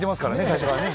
最初からね